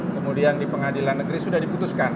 kemudian di pengadilan negeri sudah diputuskan